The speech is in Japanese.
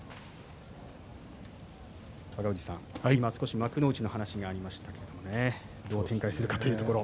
若藤さん、幕内の話がありましたけれどもどう展開するかというところ。